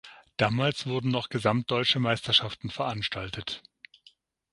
Damals wurden noch gesamtdeutsche Meisterschaften veranstaltet.